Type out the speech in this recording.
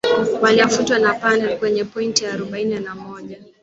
wakifuatwa na napal wenye pointi arobaini na tatu lazio wenye pointi arobaini na moja